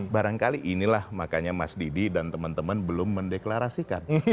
barangkali inilah makanya mas didi dan teman teman belum mendeklarasikan